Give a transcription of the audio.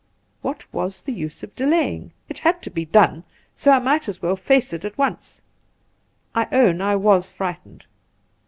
What was the use of delaying ? It had to be done ; so I might as well face it at once. I own I was frightened.